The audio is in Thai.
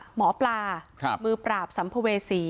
หมอปลามือปราบสัมภเวษี